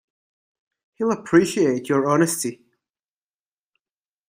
He'll appreciate your honesty.